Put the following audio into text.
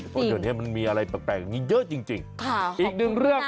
เพราะว่าเดี๋ยวนี้มันมีอะไรแปลกเยอะจริงค่ะอีกหนึ่งเรื่อง